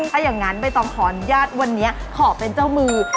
ถ้าอย่างนั้นบฏมพรญาติวันนี้ขอเป็นเจ้ามือ